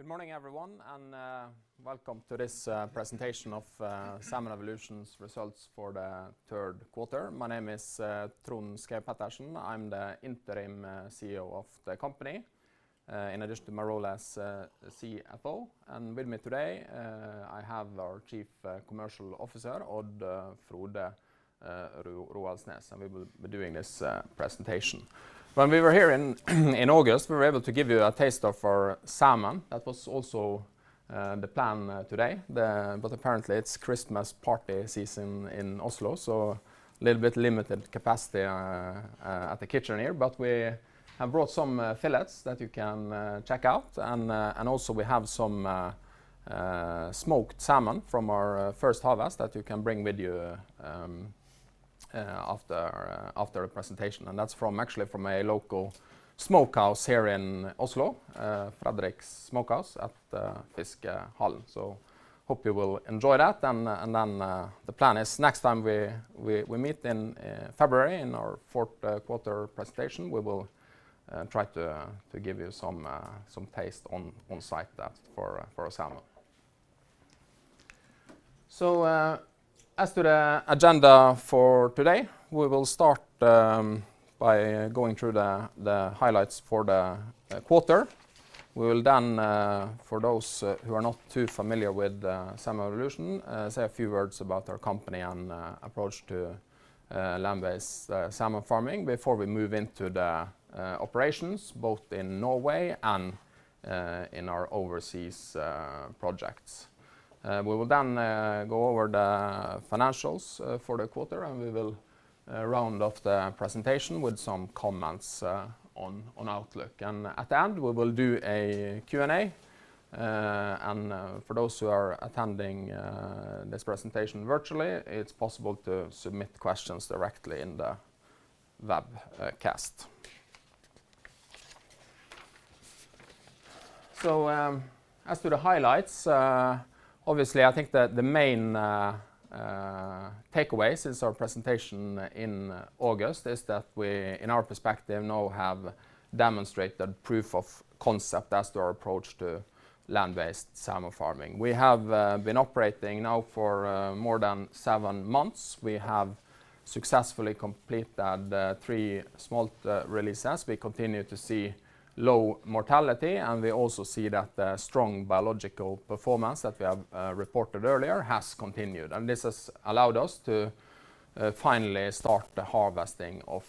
Good morning, everyone, and welcome to this presentation of Salmon Evolution's results for the third quarter. My name is Trond Håkon Schaug-Pettersen. I'm the Interim CEO of the company in addition to my role as CFO. With me today I have our Chief Commercial Officer, Odd Frode Roaldsnes, and we will be doing this presentation. When we were here in August, we were able to give you a taste of our salmon. That was also the plan today. Apparently it's Christmas party season in Oslo, so a little bit limited capacity at the kitchen here. We have brought some fillets that you can check out. also we have some smoked salmon from our first harvest that you can bring with you after the presentation. That's actually from a local smokehouse here in Oslo, Fredrik's Smokehouse at the Fiskehallen. Hope you will enjoy that. Then the plan is next time we meet in February in our fourth quarter presentation, we will try to give you some on-site taste of our salmon. As to the agenda for today, we will start by going through the highlights for the quarter. We will then, for those who are not too familiar with Salmon Evolution, say a few words about our company and approach to land-based salmon farming before we move into the operations both in Norway and in our overseas projects. We will then go over the financials for the quarter, and we will round off the presentation with some comments on outlook. At the end, we will do a Q&A. For those who are attending this presentation virtually, it's possible to submit questions directly in the webcast. As to the highlights, obviously, I think the main takeaway since our presentation in August is that we, in our perspective, now have demonstrated proof of concept as to our approach to land-based salmon farming. We have been operating now for more than seven months. We have successfully completed the three smolt releases. We continue to see low mortality, and we also see that the strong biological performance that we have reported earlier has continued. This has allowed us to finally start the harvesting of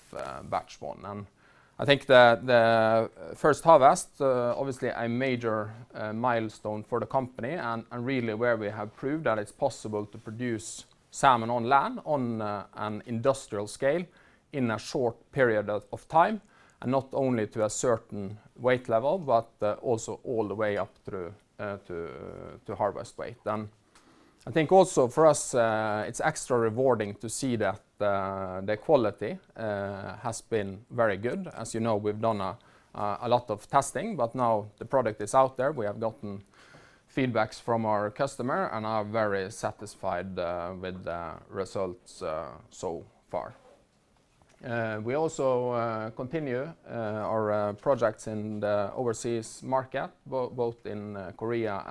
batch 1. I think the first harvest is obviously a major milestone for the company and really where we have proved that it's possible to produce salmon on land on an industrial scale in a short period of time, and not only to a certain weight level, but also all the way up through to harvest weight. I think also for us it's extra rewarding to see that the quality has been very good. As you know, we've done a lot of testing, but now the product is out there. We have gotten feedback from our customer and are very satisfied with the results so far. We also continue our projects in the overseas market, both in Korea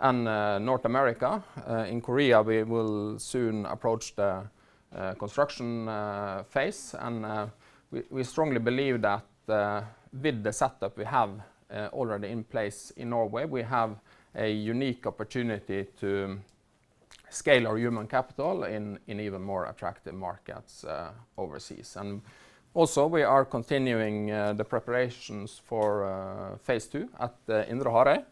and North America. In Korea, we will soon approach the construction phase. We strongly believe that with the setup we have already in place in Norway, we have a unique opportunity to scale our human capital in even more attractive markets overseas. We are continuing the preparations for Phase 2 at the Indre Harøy.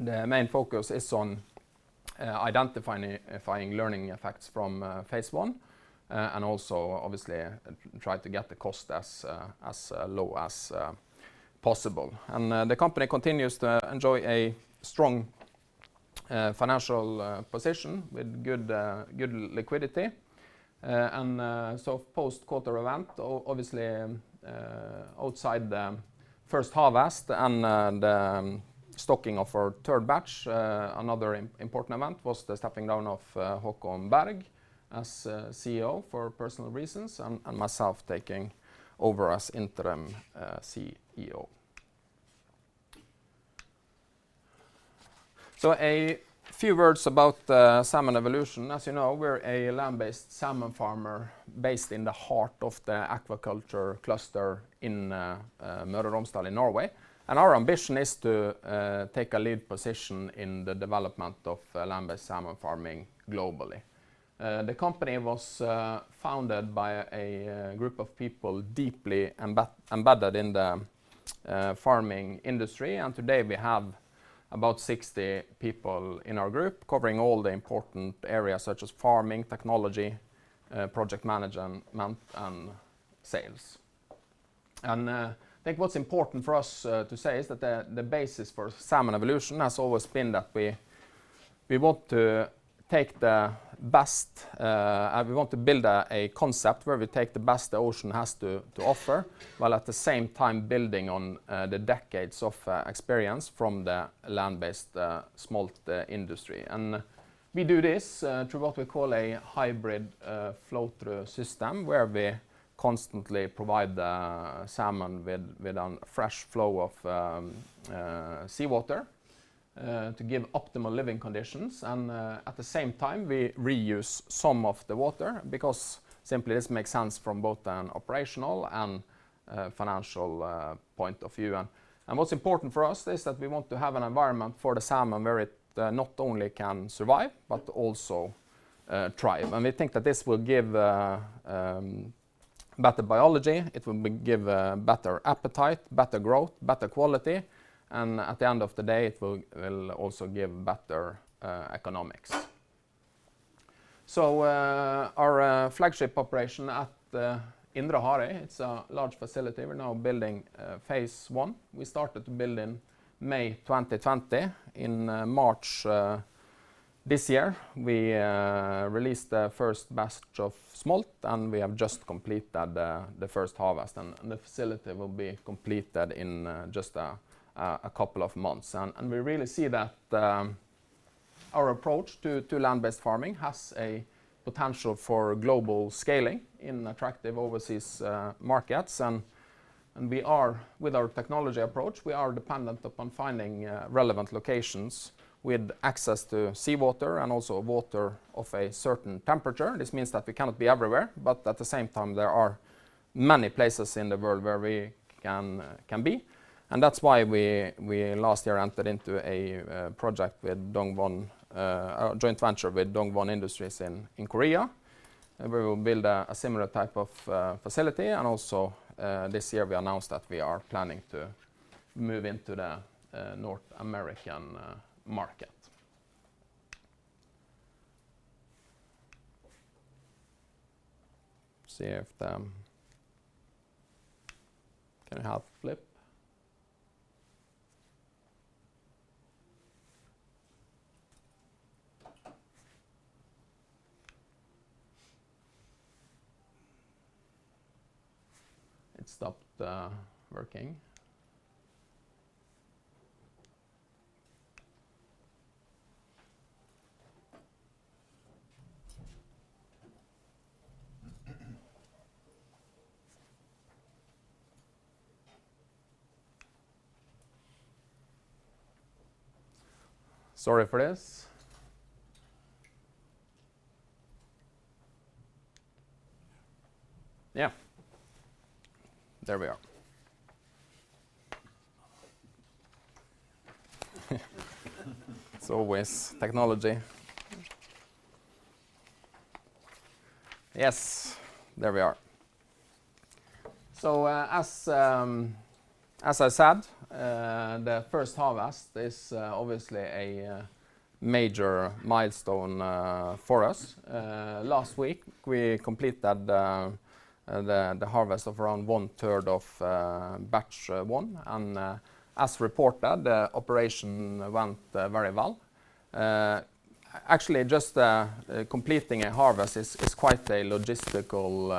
The main focus is on identifying learning effects from Phase 1 and also obviously try to get the cost as low as possible. The company continues to enjoy a strong financial position with good liquidity. Post-quarter event, obviously, outside the first harvest and the stocking of our third batch, another important event was the stepping down of Håkon Berg as CEO for personal reasons and myself taking over as Interim CEO. A few words about Salmon Evolution. As you know, we're a land-based salmon farmer based in the heart of the aquaculture cluster in Møre og Romsdal in Norway. Our ambition is to take a lead position in the development of land-based salmon farming globally. The company was founded by a group of people deeply embedded in the farming industry. Today we have about 60 people in our group covering all the important areas such as farming, technology, project management, and sales. I think what's important for us to say is that the basis for Salmon Evolution has always been that we want to build a concept where we take the best the ocean has to offer, while at the same time building on the decades of experience from the land-based smolt industry. We do this through what we call a hybrid flow-through system where we constantly provide the salmon with a fresh flow of seawater to give optimal living conditions. At the same time, we reuse some of the water because simply this makes sense from both an operational and financial point of view. What's important for us is that we want to have an environment for the salmon where it not only can survive, but also thrive. We think that this will give better biology, it will give better appetite, better growth, better quality, and at the end of the day, it will also give better economics. Our flagship operation at Indre Harøy, it's a large facility. We're now building Phase 1. We started to build in May 2020. In March this year, we released the first batch of smolt, and we have just completed the first harvest. The facility will be completed in just a couple of months. We really see that our approach to land-based farming has a potential for global scaling in attractive overseas markets. We are, with our technology approach, dependent upon finding relevant locations with access to seawater and also water of a certain temperature. This means that we cannot be everywhere, but at the same time, there are many places in the world where we can be. That's why we last year entered into a project with Dongwon, a joint venture with Dongwon Industries in Korea, and we will build a similar type of facility. Also, this year we announced that we are planning to move into the North American market. Can I have flip? It stopped working. Sorry for this. Yeah. There we are. It's always technology. Yes, there we are. As I said, the first harvest is obviously a major milestone for us. Last week, we completed the harvest of around 1/3 of batch 1. As reported, the operation went very well. Actually, just completing a harvest is quite a logistical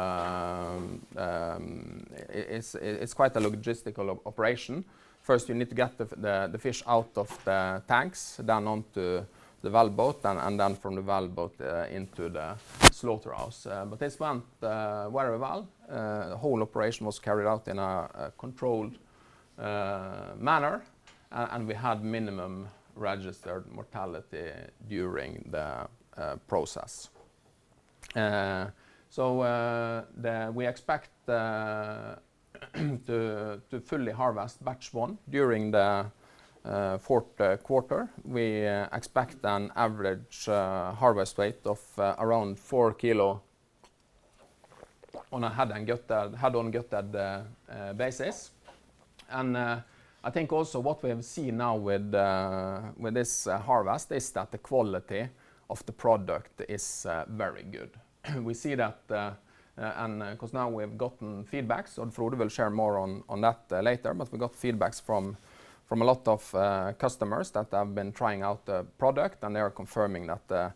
operation. First, you need to get the fish out of the tanks, down onto the wellboat and then from the wellboat into the slaughterhouse. This went very well. The whole operation was carried out in a controlled manner, and we had minimum registered mortality during the process. We expect to fully harvest batch 1 during the fourth quarter. We expect an average harvest weight of around 4 kg on a head and gutted basis. I think also what we have seen now with this harvest is that the quality of the product is very good. We see that, and because now we've gotten feedbacks, so Frode will share more on that later. We got feedbacks from a lot of customers that have been trying out the product, and they are confirming that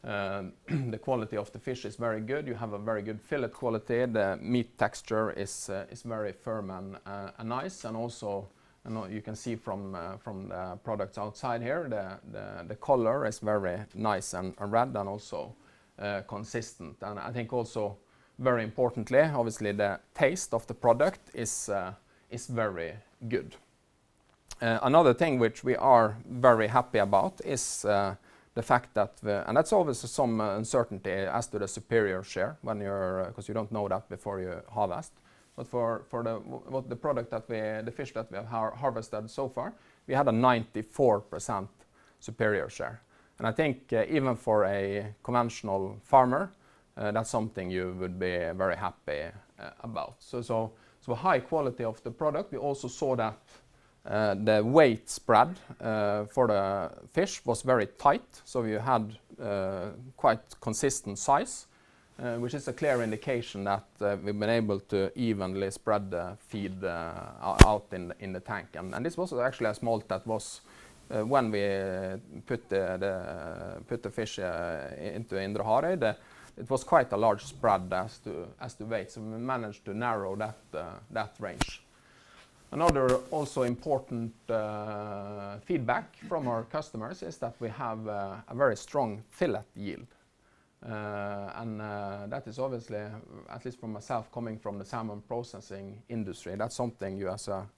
the quality of the fish is very good. You have a very good fillet quality. The meat texture is very firm and nice. I know you can see from the product outside here, the color is very nice and red and also consistent. I think also very importantly, obviously, the taste of the product is very good. Another thing which we are very happy about is the fact that that's always some uncertainty as to the superior share when you're 'cause you don't know that before you harvest. For the fish that we have harvested so far, we have a 94% superior share. I think even for a conventional farmer, that's something you would be very happy about. High quality of the product. We also saw that the weight spread for the fish was very tight. We had quite consistent size which is a clear indication that we've been able to evenly spread the feed out in the tank. This was actually a smolt that was when we put the fish into Indre Harøy. It was quite a large spread as to weight so we managed to narrow that range. Another also important feedback from our customers is that we have a very strong fillet yield. That is obviously, at least from myself coming from the salmon processing industry, that's something you as a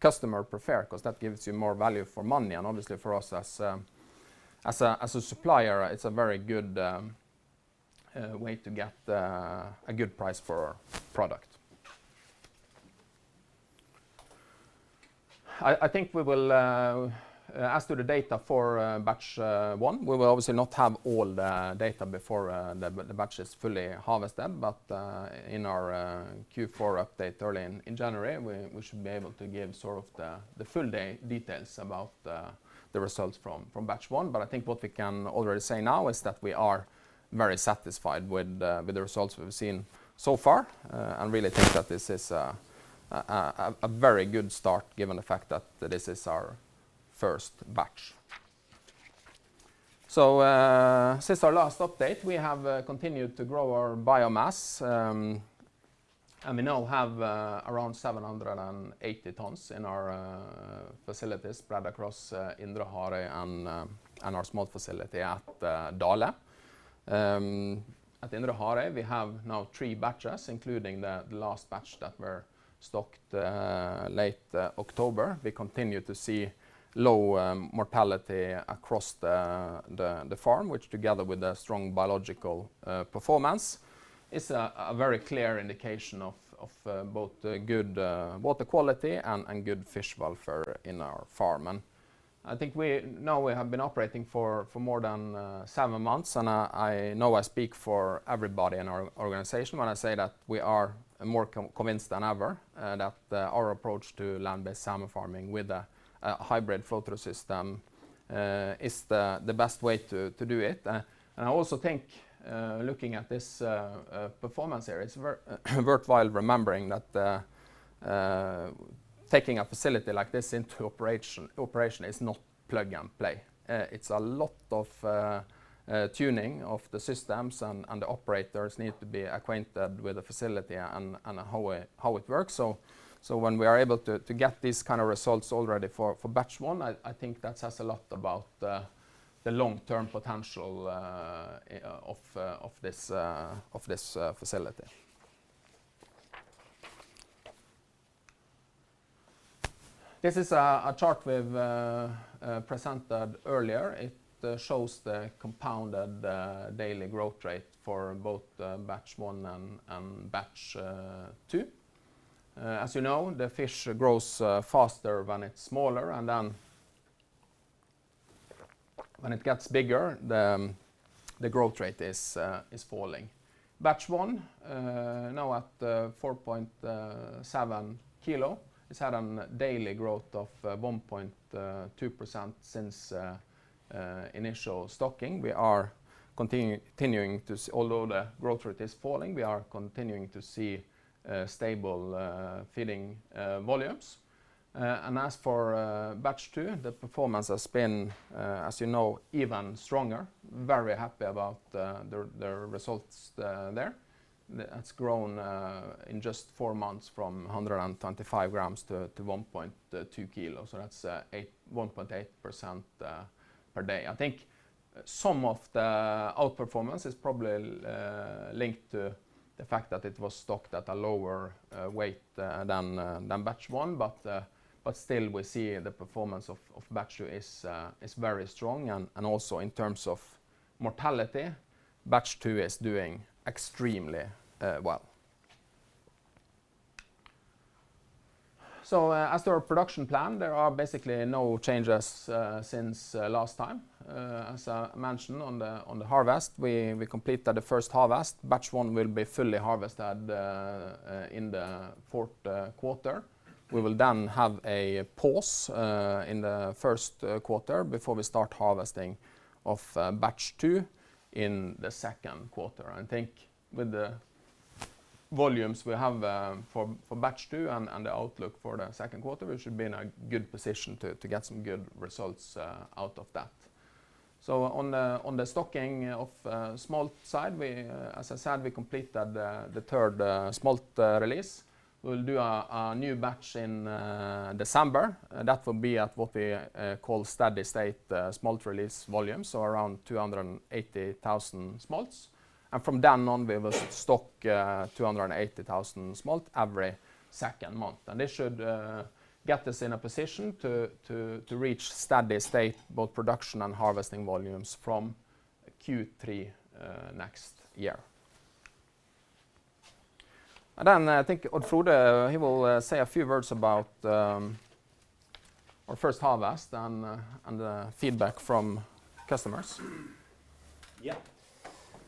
customer prefer 'cause that gives you more value for money and obviously for us as a supplier, it's a very good way to get a good price for our product. I think we will, as to the data for batch 1, we will obviously not have all the data before the batch is fully harvested, but in our Q4 update early in January, we should be able to give sort of the full details about the results from batch 1. I think what we can already say now is that we are very satisfied with the results we've seen so far, and really think that this is a very good start given the fact that this is our first batch. Since our last update, we have continued to grow our biomass, and we now have around 780 tons in our facilities spread across Indre Harøy and our smolt facility at Dale. At Indre Harøy, we have now three batches, including the last batch that were stocked late October. We continue to see low mortality across the farm, which together with a strong biological performance is a very clear indication of both good water quality and good fish welfare in our farm. Now we have been operating for more than seven months, and I know I speak for everybody in our organization when I say that we are more convinced than ever that our approach to land-based salmon farming with a hybrid flow-through system is the best way to do it. I also think looking at this performance here, it's worthwhile remembering that taking a facility like this into operation is not plug and play. It's a lot of tuning of the systems and the operators need to be acquainted with the facility and how it works. When we are able to get these kind of results already for batch 1, I think that says a lot about the long-term potential of this facility. This is a chart we've presented earlier. It shows the compounded daily growth rate for both batch 1 and batch 2. As you know, the fish grows faster when it's smaller, and then when it gets bigger, the growth rate is falling. Batch 1 now at 4.7 kg. It's had a daily growth of 1.2% since initial stocking. Although the growth rate is falling, we are continuing to see stable feeding volumes. As for batch 2, the performance has been, as you know, even stronger. Very happy about the results there. It's grown in just four months from 125 g-1.2 kg. So that's 1.8% per day. I think some of the outperformance is probably linked to the fact that it was stocked at a lower weight than batch 1. Still we see the performance of batches is very strong. Also in terms of mortality, batch 2 is doing extremely well. As to our production plan, there are basically no changes since last time. As I mentioned on the harvest, we completed the first harvest. Batch 1 will be fully harvested in the fourth quarter. We will then have a pause in the first quarter before we start harvesting of batch 2 in the second quarter. I think with the volumes we have for batch 2 and the outlook for the second quarter, we should be in a good position to get some good results out of that. On the stocking of smolt side, as I said, we completed the third smolt release. We'll do a new batch in December. That will be at what we call steady state smolt release volume, so around 280,000 smolts. From then on, we will stock 280,000 smolts every second month. This should get us in a position to reach steady state, both production and harvesting volumes, from Q3 next year. Then I think Odd Frode, he will say a few words about our first harvest and the feedback from customers.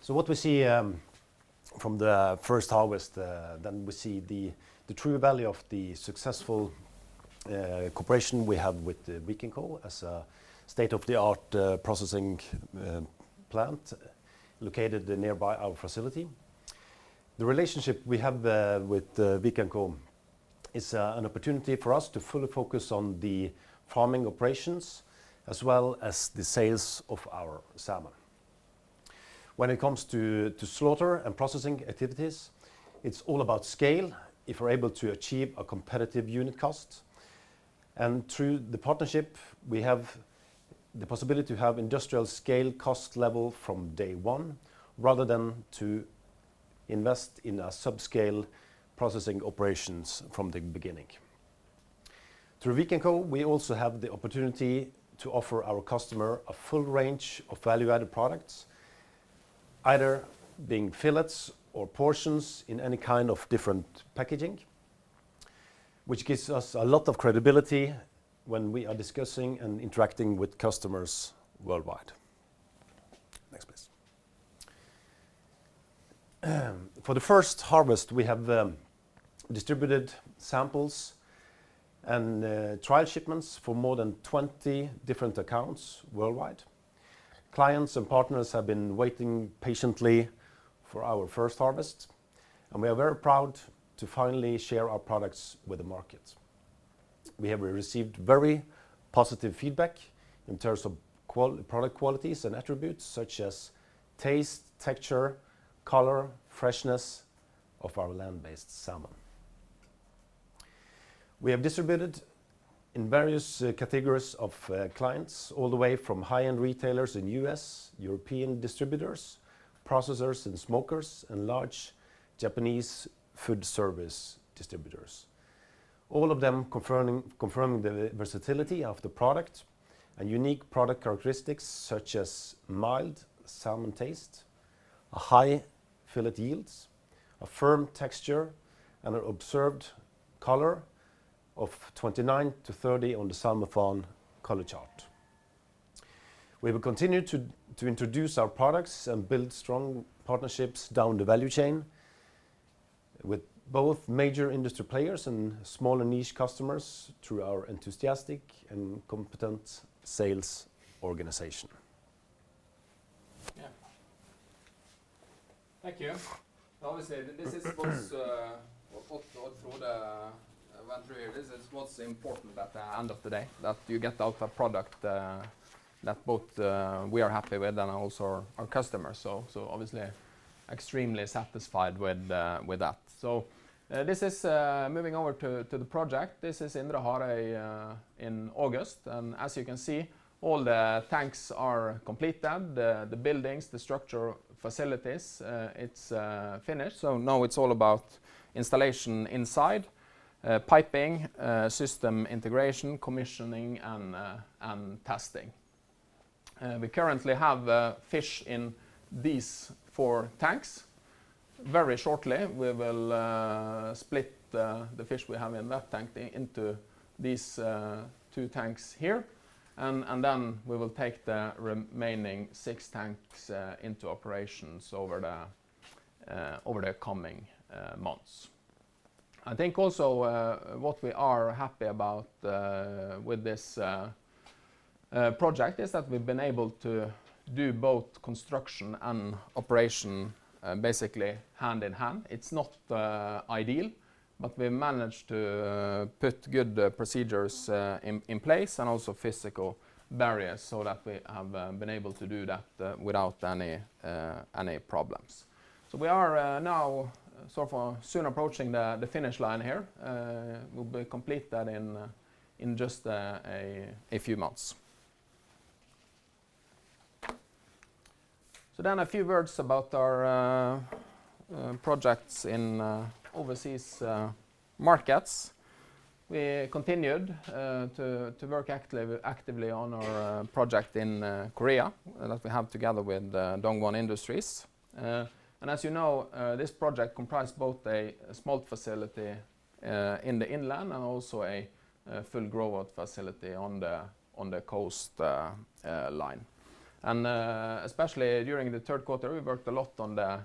Yeah. What we see from the first harvest, then we see the true value of the successful cooperation we have with Vikenco as a state-of-the-art processing plant located nearby our facility. The relationship we have with Vikenco is an opportunity for us to fully focus on the farming operations as well as the sales of our salmon. When it comes to slaughter and processing activities, it's all about scale. If we're able to achieve a competitive unit cost. Through the partnership, we have the possibility to have industrial scale cost level from day one, rather than to invest in a subscale processing operations from the beginning. Through Vikenco, we also have the opportunity to offer our customer a full range of value-added products, either being fillets or portions in any kind of different packaging, which gives us a lot of credibility when we are discussing and interacting with customers worldwide. Next, please. For the first harvest, we have distributed samples and trial shipments for more than 20 different accounts worldwide. Clients and partners have been waiting patiently for our first harvest, and we are very proud to finally share our products with the market. We have received very positive feedback in terms of product qualities and attributes such as taste, texture, color, freshness of our land-based salmon. We have distributed in various categories of clients all the way from high-end retailers in U.S., European distributors, processors and smokers, and large Japanese food service distributors. All of them confirming the versatility of the product and unique product characteristics such as mild salmon taste, a high fillet yields, a firm texture, and an observed color of 29-30 on the SalmoFan color chart. We will continue to introduce our products and build strong partnerships down the value chain with both major industry players and smaller niche customers through our enthusiastic and competent sales organization. Yeah. Thank you. Obviously, this is what Frode went through here. This is what's important at the end of the day, that you get out a product that both we are happy with and also our customers. Obviously extremely satisfied with that. This is moving over to the project. This is Indre Harøy in August. As you can see, all the tanks are completed. The buildings, the structure facilities, it's finished. Now it's all about installation inside, piping, system integration, commissioning, and testing. We currently have fish in these four tanks. Very shortly, we will split the fish we have in that tank into these two tanks here. We will take the remaining six tanks into operations over the coming months. I think also what we are happy about with this project is that we've been able to do both construction and operation basically hand in hand. It's not ideal, but we managed to put good procedures in place and also physical barriers so that we have been able to do that without any problems. We are now sort of soon approaching the finish line here. We'll be completed in just a few months. A few words about our projects in overseas markets. We continued to work actively on our project in Korea that we have together with Dongwon Industries. As you know, this project comprise both a smolt facility in the inland and also a full grow-out facility on the coastline. Especially during the third quarter, we worked a lot on the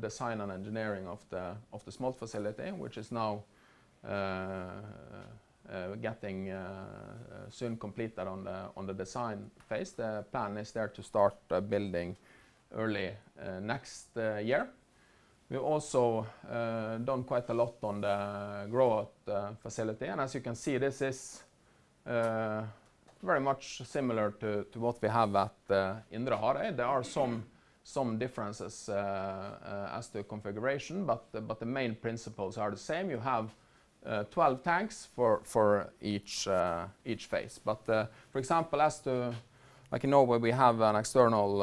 design and engineering of the smolt facility, which is now getting soon completed in the design phase. The plan is there to start building early next year. We also done quite a lot on the grow-out facility. As you can see, this is very much similar to what we have at Indre Harøy. There are some differences as to configuration, but the main principles are the same. You have 12 tanks for each phase. For example, as to, like in Norway, we have an external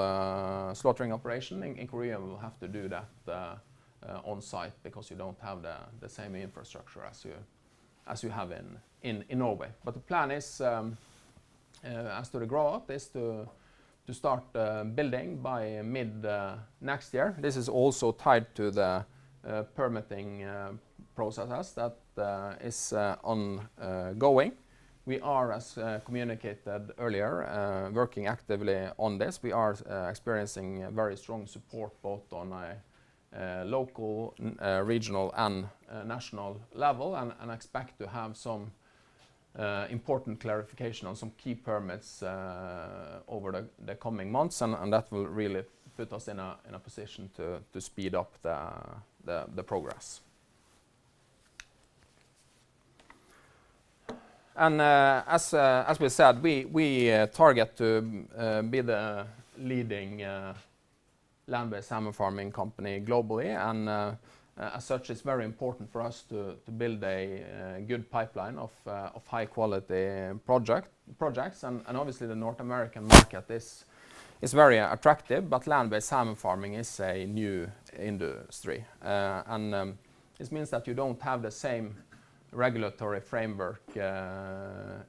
slaughtering operation. In Korea, we'll have to do that on site because you don't have the same infrastructure as you have in Norway. The plan is as to the grow-out is to start building by mid next year. This is also tied to the permitting process that is ongoing. We are, as communicated earlier, working actively on this. We are experiencing a very strong support both on a local, regional, and a national level, and expect to have some important clarification on some key permits over the coming months. That will really put us in a position to speed up the progress. As we said, we target to be the leading land-based salmon farming company globally. As such, it's very important for us to build a good pipeline of high quality projects. Obviously the North American market is very attractive, but land-based salmon farming is a new industry. This means that you don't have the same regulatory framework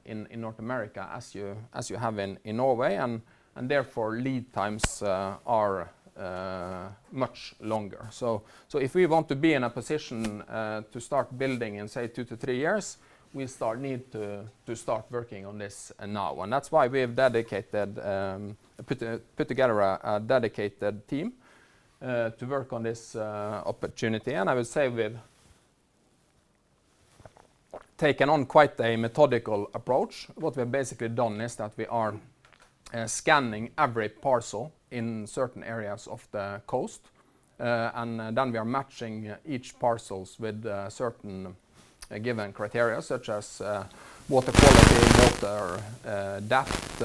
in North America as you have in Norway, and therefore lead times are much longer. If we want to be in a position to start building in, say, two to three years, we need to start working on this now. That's why we have dedicated put together a dedicated team to work on this opportunity. I would say we've taken on quite a methodical approach. What we've basically done is that we are scanning every parcel in certain areas of the coast. We are matching each parcel with certain given criteria, such as water quality, water depth,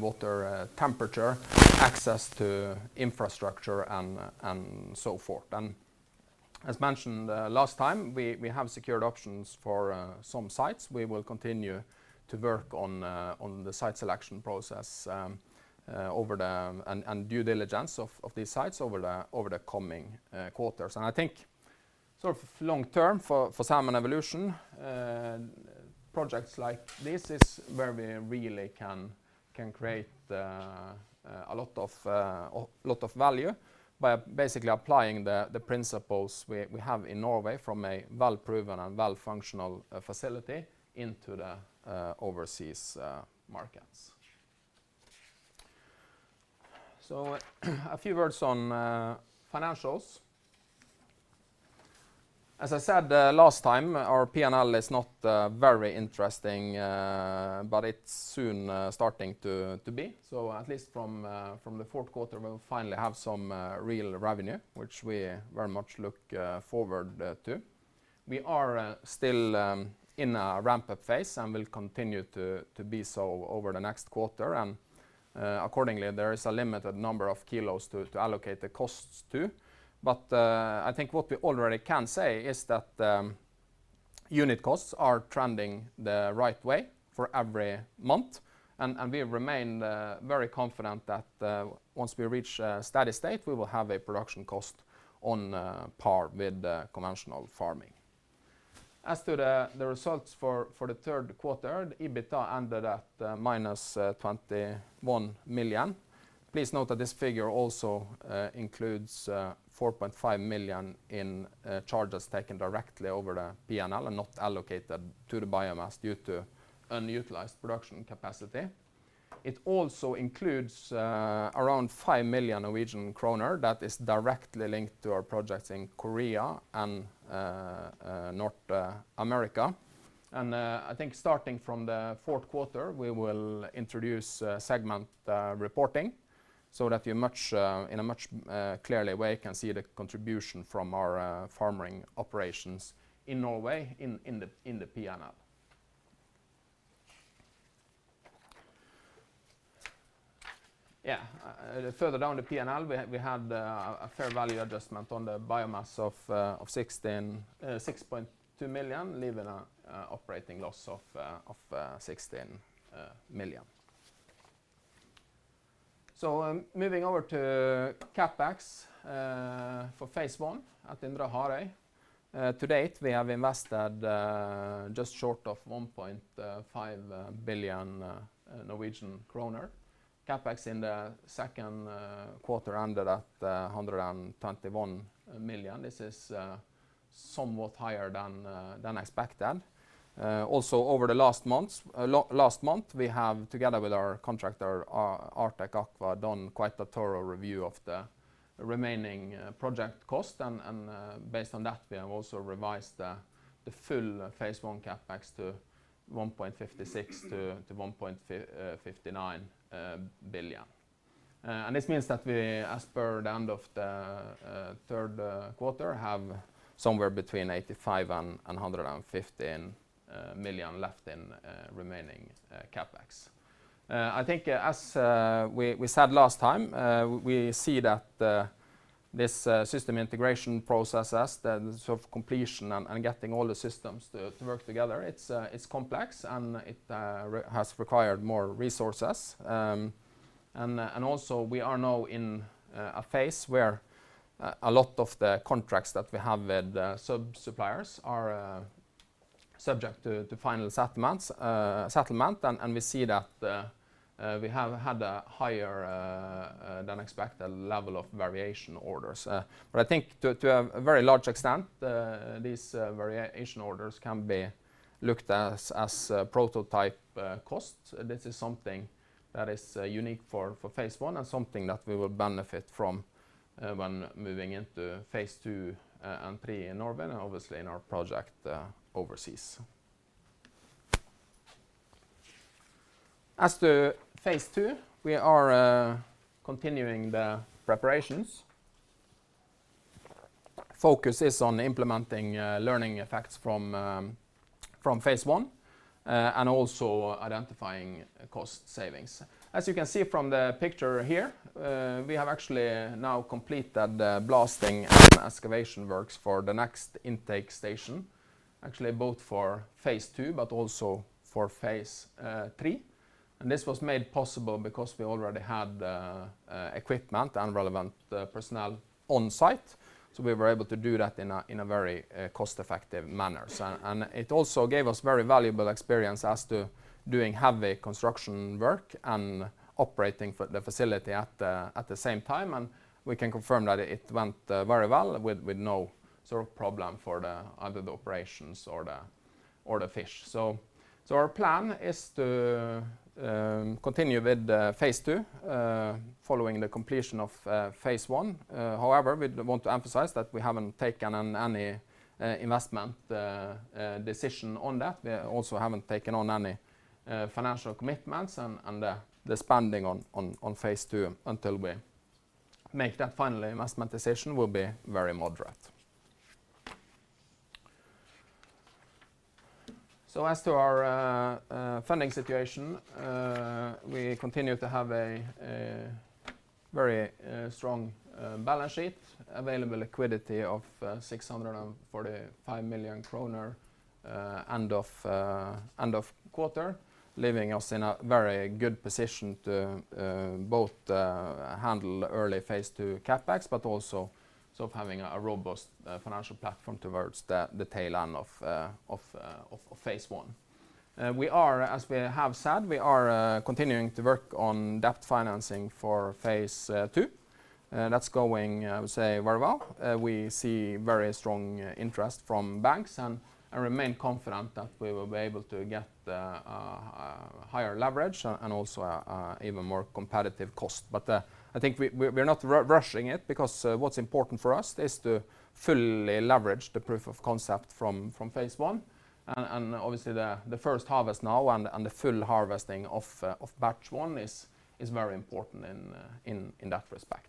water temperature, access to infrastructure, and so forth. As mentioned last time, we have secured options for some sites. We will continue to work on the site selection process and due diligence of these sites over the coming quarters. I think sort of long term for Salmon Evolution, projects like this is where we really can create a lot of value by basically applying the principles we have in Norway from a well-proven and well functional facility into the overseas markets. A few words on financials. As I said last time, our P&L is not very interesting, but it's soon starting to be. At least from the fourth quarter, we'll finally have some real revenue, which we very much look forward to. We are still in a ramp-up phase and will continue to be so over the next quarter. Accordingly, there is a limited number of kilos to allocate the costs to. I think what we already can say is that the unit costs are trending the right way for every month. We remain very confident that once we reach steady state, we will have a production cost on par with conventional farming. As to the results for the third quarter, the EBITDA ended at -21 million. Please note that this figure also includes 4.5 million in charges taken directly over the P&L and not allocated to the biomass due to unutilized production capacity. It also includes around 5 million Norwegian kroner that is directly linked to our projects in Korea and North America. I think starting from the fourth quarter, we will introduce segment reporting so that you in a much clearer way can see the contribution from our farming operations in Norway in the P&L. Yeah. Further down the P&L, we had a fair value adjustment on the biomass of 16.6 million, leaving an operating loss of 16 million. Moving over to CapEx for Phase 1 at Indre Harøy. To date, we have invested just short of 1.5 billion Norwegian kroner. CapEx in the second quarter ended at 121 million. This is somewhat higher than expected. Also over the last month, we have, together with our contractor, Artec Aqua, done quite a thorough review of the remaining project cost. Based on that, we have also revised the full Phase 1 CapEx to 1.56 billion-1.59 billion. This means that we, as per the end of the third quarter, have somewhere between 85 million and 115 million left in remaining CapEx. I think as we said last time, we see this system integration process as the sort of completion and getting all the systems to work together, it's complex and it has required more resources. Also we are now in a phase where a lot of the contracts that we have with sub suppliers are subject to final settlements. We see that we have had a higher than expected level of variation orders. I think to a very large extent these variation orders can be looked as prototype costs. This is something that is unique for Phase 1 and something that we will benefit from when moving into Phase 2 and Phase 3 in Norway and obviously in our project overseas. As to Phase 2, we are continuing the preparations. Focus is on implementing learning effects from Phase 1 and also identifying cost savings. As you can see from the picture here, we have actually now completed the blasting and excavation works for the next intake station, actually both for Phase 2 but also for Phase 3. This was made possible because we already had equipment and relevant personnel on site, so we were able to do that in a very cost-effective manner. It also gave us very valuable experience as to doing heavy construction work and operating the facility at the same time. We can confirm that it went very well with no sort of problem for either the operations or the fish. Our plan is to continue with Phase 2 following the completion of Phase 1. However, we want to emphasize that we haven't taken on any investment decision on that. We also haven't taken on any financial commitments and the spending on Phase 2 until we make that final investment decision will be very moderate. As to our funding situation, we continue to have a very strong balance sheet, available liquidity of 645 million kroner end of quarter, leaving us in a very good position to both handle early Phase 2 CapEx, but also sort of having a robust financial platform towards the tail end of Phase 1. We are as we have said continuing to work on debt financing for Phase 2. That's going I would say very well. We see very strong interest from banks and remain confident that we will be able to get higher leverage and also an even more competitive cost. I think we're not rushing it because what's important for us is to fully leverage the proof of concept from Phase 1 and obviously the first harvest now and the full harvesting of batch 1 is very important in that respect.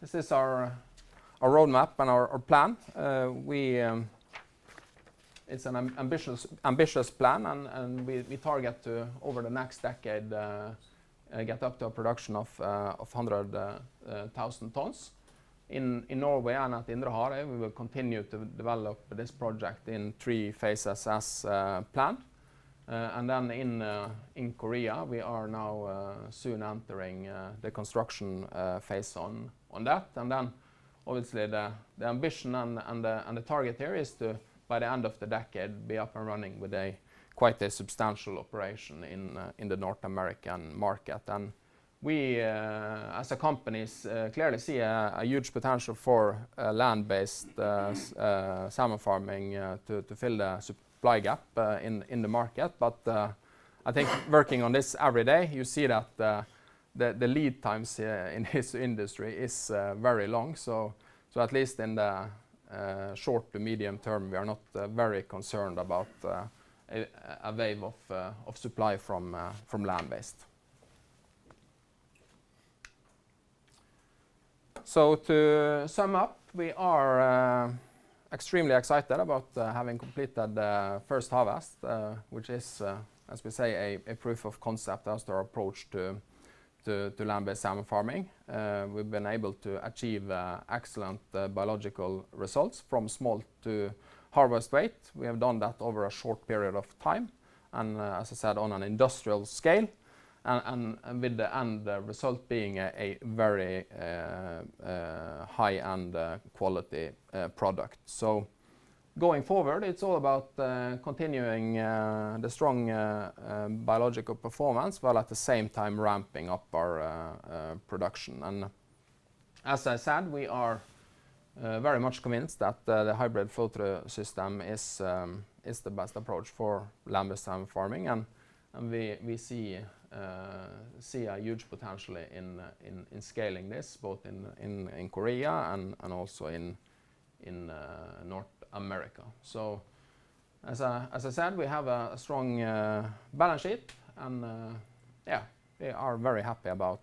This is our roadmap and our plan. It's an ambitious plan and we target to over the next decade get up to a production of 100,000 tons. In Norway and at Indre Harøy, we will continue to develop this project in three phases as planned. In Korea, we are now soon entering the construction phase on that. Obviously the ambition and the target there is to, by the end of the decade, be up and running with quite a substantial operation in the North American market. We as a company clearly see a huge potential for land-based salmon farming to fill the supply gap in the market. I think working on this every day, you see that the lead times in this industry is very long. At least in the short to medium term, we are not very concerned about a wave of supply from land-based. To sum up, we are extremely excited about having completed the first harvest, which is, as we say, a proof of concept as to our approach to land-based salmon farming. We've been able to achieve excellent biological results from smolt to harvest weight. We have done that over a short period of time, and as I said, on an industrial scale and with the end result being a very high-end quality product. Going forward, it's all about continuing the strong biological performance while at the same time ramping up our production. As I said, we are very much convinced that the hybrid flow-through system is the best approach for land-based salmon farming. We see a huge potential in scaling this both in Korea and also in North America. As I said, we have a strong balance sheet and yeah, we are very happy about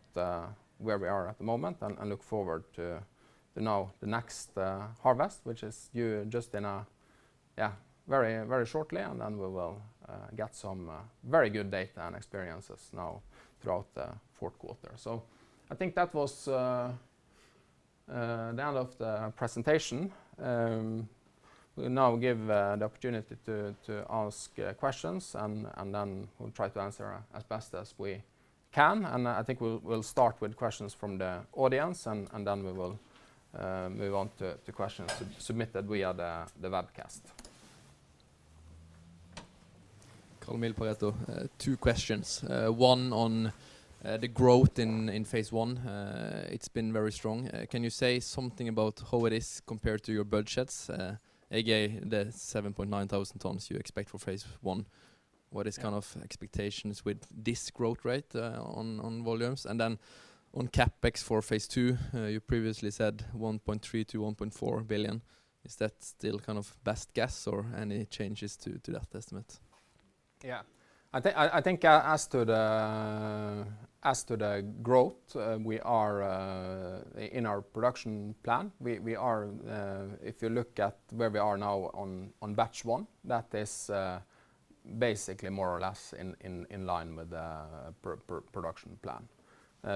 where we are at the moment and look forward to now the next harvest, which is just in a yeah very shortly and then we will get some very good data and experiences now throughout the fourth quarter. I think that was the end of the presentation. We'll now give the opportunity to ask questions and then we'll try to answer as best as we can. I think we'll start with questions from the audience and then we will move on to questions submitted via the webcast. Carl-Emil, Pareto. Two questions. One on the growth in Phase 1. It's been very strong. Can you say something about how it is compared to your budgets, aka the 7,900 tons you expect for Phase 1? What is kind of expectations with this growth rate on volumes? Then on CapEx for Salmon Evolution Phase 2, you previously said 1.3 billion-1.4 billion. Is that still kind of best guess or any changes to that estimate? Yeah. I think as to the growth, we are in our production plan. If you look at where we are now on batch 1, that is basically more or less in line with the production plan.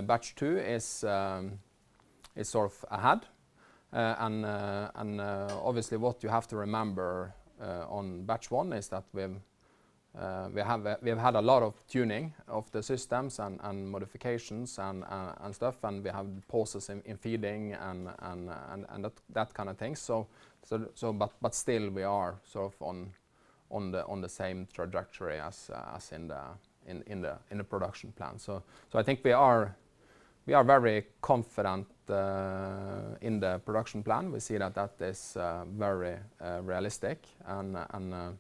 Batch 2 is sort of ahead. Obviously what you have to remember on batch 1 is that we've had a lot of tuning of the systems and modifications and stuff, and we have pulses in feeding and that kind of thing. Still we are sort of on the same trajectory as in the production plan. I think we are very confident in the production plan. We see that that is very realistic and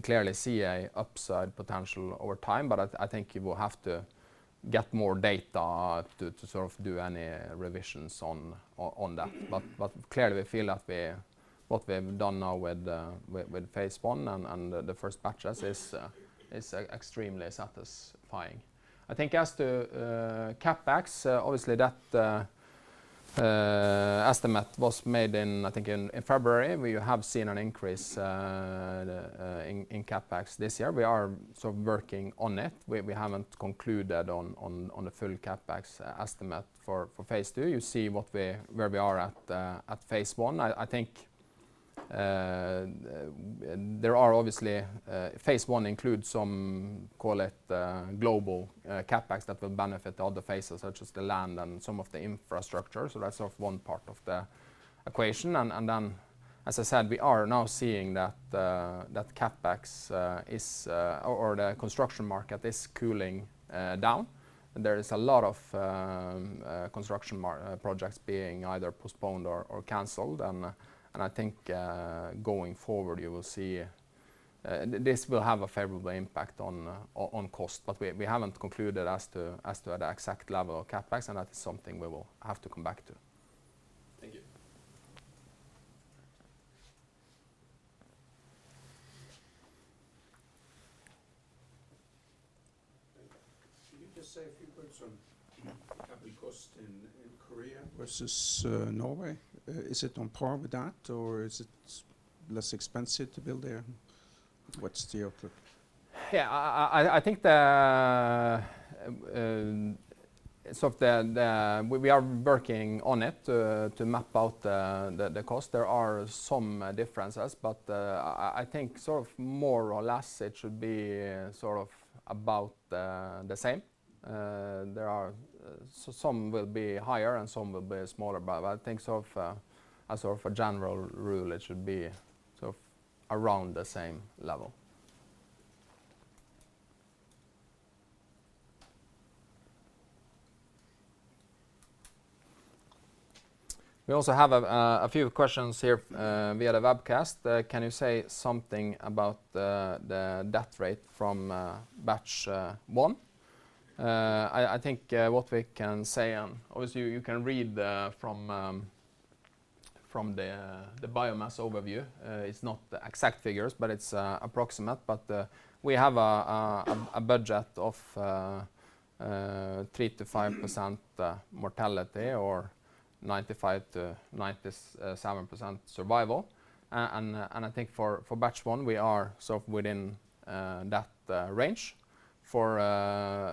clearly see an upside potential over time. I think you will have to get more data to sort of do any revisions on that. Clearly we feel that what we've done now with Phase 1 and the first batches is extremely satisfying. I think as to CapEx, obviously that estimate was made in, I think, in February. We have seen an increase in CapEx this year. We are sort of working on it. We haven't concluded on the full CapEx estimate for Phase 2. You see where we are at Phase 1. I think there are obviously Phase 1 includes some, call it, global CapEx that will benefit other phases such as the land and some of the infrastructure. That's sort of one part of the equation. As I said, we are now seeing that CapEx is or the construction market is cooling down. There is a lot of construction projects being either postponed or canceled. I think going forward, you will see this will have a favorable impact on cost. We haven't concluded as to the exact level of CapEx, and that is something we will have to come back to. Thank you. Can you just say a few words on the capital cost in Korea versus Norway? Is it on par with that, or is it less expensive to build there? What's the output? I think we are working on it to map out the cost. There are some differences, but I think sort of more or less it should be sort of about the same. Some will be higher and some will be smaller. I think a general rule, it should be around the same level. We also have a few questions here via the webcast. Can you say something about the death rate from batch 1? I think what we can say, obviously you can read from the biomass overview. It's not the exact figures, but it's approximate. We have a budget of 3%-5% mortality or 95%-97% survival. I think for batch 1, we are sort of within that range. For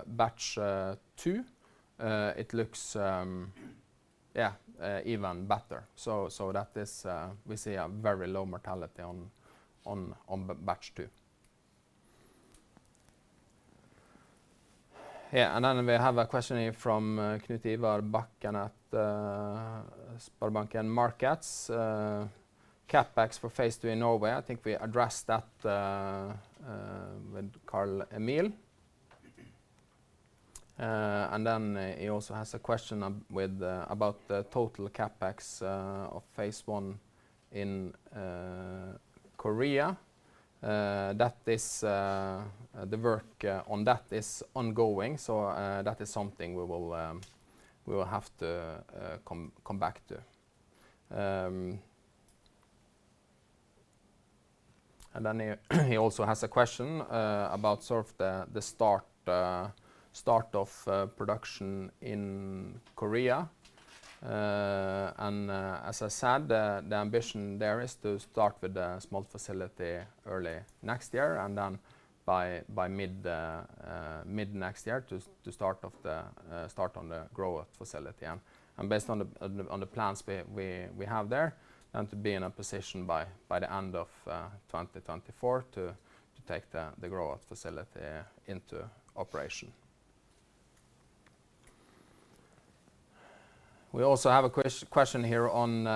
batch 2, it looks even better. That is, we see a very low mortality on batch 2. Yeah. We have a question here from Knut Ivar Bakken at SpareBank 1 Markets. CapEx for Phase 2 in Norway, I think we addressed that with Carl-Emil. He also has a question about the total CapEx of Phase 1 in Korea. That is, the work on that is ongoing. That is something we will have to come back to. He also has a question about sort of the start of production in Korea. As I said, the ambition there is to start with a small facility early next year and then by mid-next year to start on the growth facility. Based on the plans we have there, then to be in a position by the end of 2024 to take the growth facility into operation. We also have a question here on,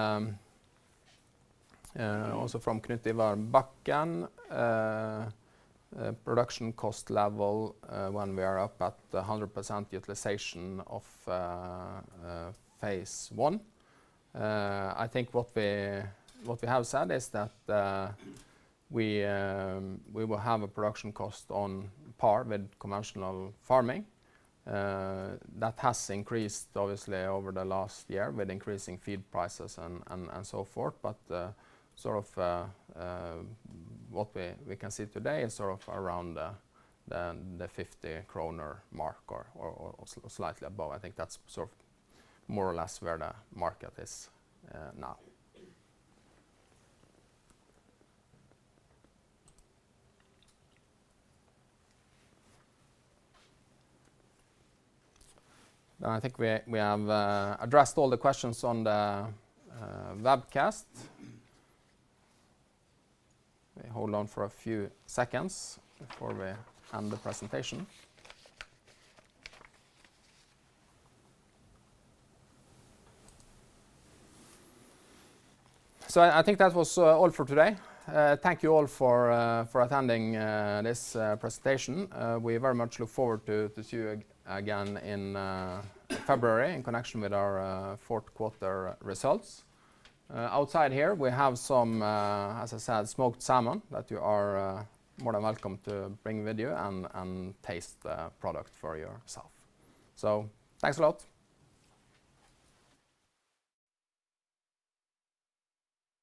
also from Knut Ivar Bakken, production cost level, when we are up at 100% utilization of Phase 1. I think what we have said is that we will have a production cost on par with conventional farming. That has increased obviously over the last year with increasing feed prices and so forth. But sort of what we can see today is sort of around the 50 kroner mark or slightly above. I think that's sort of more or less where the market is now. No, I think we have addressed all the questions on the webcast. We hold on for a few seconds before we end the presentation. I think that was all for today. Thank you all for attending this presentation. We very much look forward to see you again in February in connection with our fourth quarter results. Outside here, we have some, as I said, smoked salmon that you are more than welcome to bring with you and taste the product for yourself. Thanks a lot.